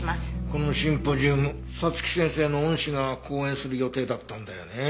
このシンポジウム早月先生の恩師が講演する予定だったんだよね。